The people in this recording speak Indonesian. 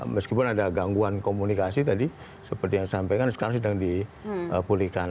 meskipun ada gangguan komunikasi tadi seperti yang disampaikan sekarang sedang dipulihkan